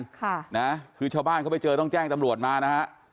ค่ะนะคือชาวบ้านเขาไปเจอต้องแจ้งตำรวจมานะฮะ